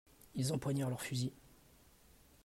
Ils empoignèrent leurs fusils.